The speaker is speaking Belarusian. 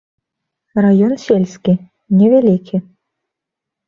Раён сельскі, не вялікі.